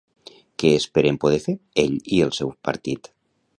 Què esperen poder fer, ell i el seu partit?